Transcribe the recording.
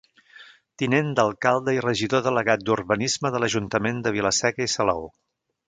Tinent d’Alcalde i Regidor delegat d’Urbanisme de l’Ajuntament de Vila-seca i Salou.